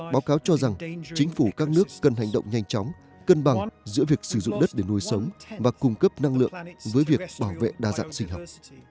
báo cáo cho rằng chính phủ các nước cần hành động nhanh chóng cân bằng giữa việc sử dụng đất để nuôi sống và cung cấp năng lượng với việc bảo vệ đa dạng sinh học